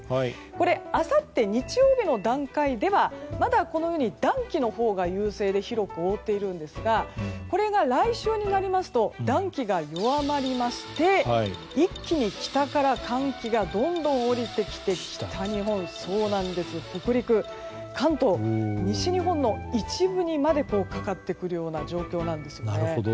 これ、あさって日曜日の段階ではまだこのように暖気のほうが優勢で広く覆っているんですがこれが来週になりますと暖気が弱まりまして一気に北から寒気がどんどん下りてきて北日本、北陸、関東西日本の一部にまでかかってくるような状況なんですね。